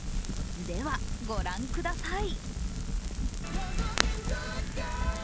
ではご覧ください。